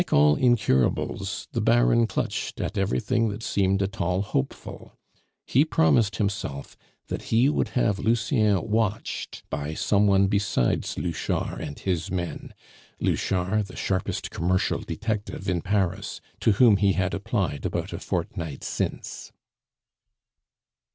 Like all incurables, the Baron clutched at everything that seemed at all hopeful; he promised himself that he would have Lucien watched by some one besides Louchard and his men Louchard, the sharpest commercial detective in Paris to whom he had applied about a fortnight since.